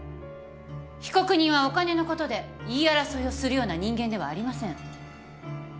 被告人はお金のことで言い争いをするような人間ではありません。